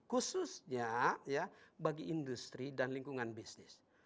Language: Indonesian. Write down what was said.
khususnya bagi industri dan lingkungan bisnis